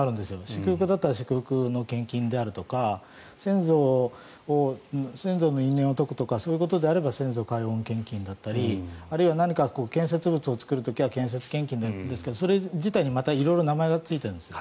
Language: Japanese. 祝福だったら祝福の献金であるとか先祖の因縁を解くとかそういうことであれば先祖解怨献金だったりあるいは何か建設物を作る時は建設献金ですけどそれ自体に色々名前がついているんです。